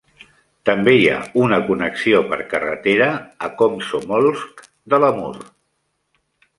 També hi ha una connexió per carretera a Komsomolsk de l'Amur.